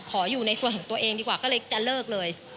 ขออยู่ในส่วนของตัวเองดีกว่าก็เลยจะเลิกเลย